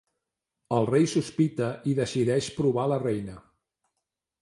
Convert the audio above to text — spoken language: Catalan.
El rei sospita i decideix provar la reïna.